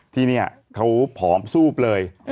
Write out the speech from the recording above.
ที่เนี่ยเค้าผอบทรูปเลย